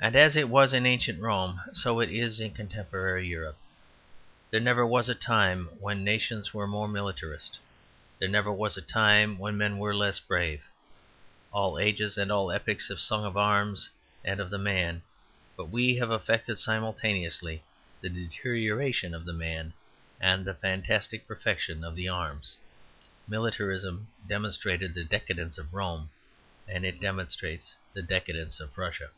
And as it was in ancient Rome so it is in contemporary Europe. There never was a time when nations were more militarist. There never was a time when men were less brave. All ages and all epics have sung of arms and the man; but we have effected simultaneously the deterioration of the man and the fantastic perfection of the arms. Militarism demonstrated the decadence of Rome, and it demonstrates the decadence of Prussia.